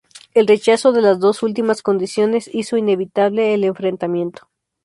El rechazo de las dos últimas condiciones hizo inevitable el enfrentamiento.